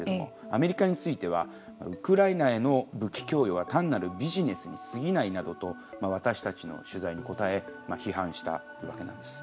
アメリカについてはウクライナへの武器供与は単なるビジネスにすぎないなどと私たちの取材に答え批判したわけなんです。